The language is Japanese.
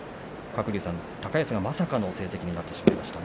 鶴竜さん、高安がまさかの成績になってしまいました。